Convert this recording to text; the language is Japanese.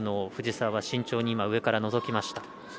藤澤は慎重に上からのぞきました。